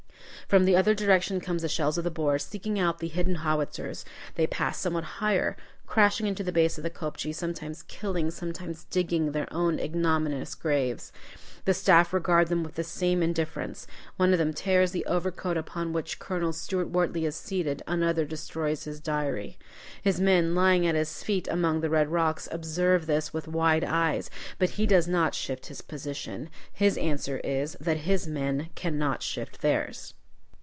From the other direction come the shells of the Boers, seeking out the hidden howitzers. They pass somewhat higher, crashing into the base of the kopje, sometimes killing, sometimes digging their own ignominious graves. The staff regard them with the same indifference. One of them tears the overcoat upon which Colonel Stuart Wortley is seated, another destroys his diary. His men, lying at his feet among the red rocks, observe this with wide eyes. But he does not shift his position. His answer is, that his men cannot shift theirs.